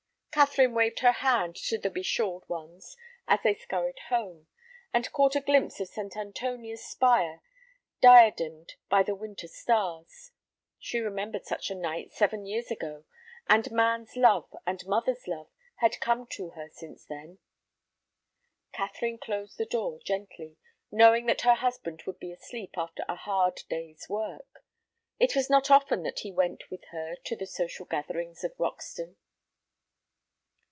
Catherine waved her hand to the beshawled ones as they scurried home, and caught a glimpse of St. Antonia's spire diademed by the winter stars. She remembered such a night seven years ago, and man's love and mother's love had come to her since then. Catherine closed the door gently, knowing that her husband would be asleep after a hard day's work. It was not often that he went with her to the social gatherings of Roxton.